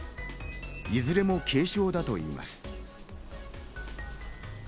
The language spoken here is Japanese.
いずれも軽症だといいます。